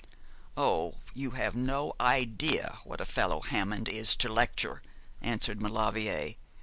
'Oh, you have no idea what a fellow Hammond is to lecture,' answered Maulevrier.